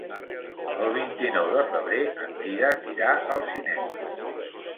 El vint-i-nou de febrer en Dídac irà al cinema.